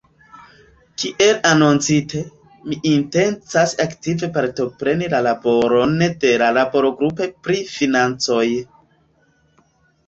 Kiel anoncite, mi intencas aktive partopreni la laboron de la laborgrupo pri financoj.